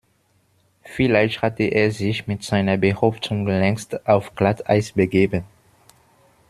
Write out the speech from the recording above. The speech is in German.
Vielleicht hatte er sich mit seiner Behauptung längst auf Glatteis begeben.